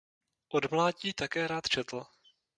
Od mládí také rád četl.